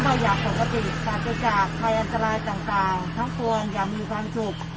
และคนทั้งโลกจะได้มีชีวิตข้อบรรยากปกติต่างจากภัยอันตรายต่างทั้งคนอย่ามีความจุก